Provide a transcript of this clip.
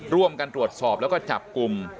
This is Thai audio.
ร่วมกันตรวจสอบแล้วก็จับกลุ่ม